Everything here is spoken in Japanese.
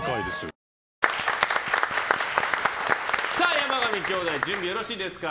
山上兄弟準備はよろしいですか。